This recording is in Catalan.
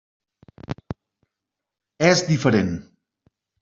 És diferent.